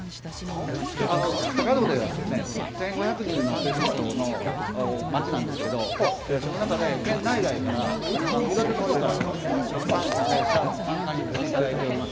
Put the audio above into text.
高野では１５００人の人口の町なんですけど、その中で、県内外からいろんなところから参加していただいております。